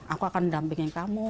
aku akan mendampingi kamu